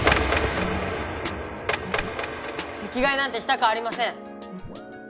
席替えなんてしたくありません！